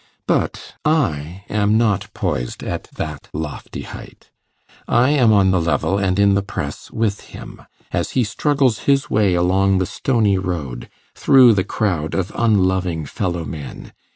But I am not poised at that lofty height. I am on the level and in the press with him, as he struggles his way along the stony road, through the crowd of unloving fellow men.